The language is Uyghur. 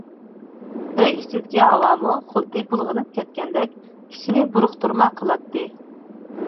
ئۆي ئىچىدىكى ھاۋامۇ خۇددى بۇلغىنىپ كەتكەندەك كىشىنى بۇرۇقتۇرما قىلاتتى.